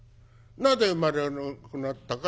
なぜ生まれなくなったか。